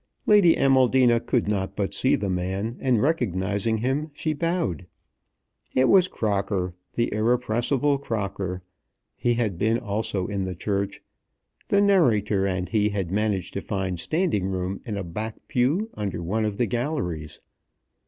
Lady Amaldina could not but see the man, and, recognizing him, she bowed. It was Crocker, the irrepressible Crocker. He had been also in the church. The narrator and he had managed to find standing room in a back pew under one of the galleries.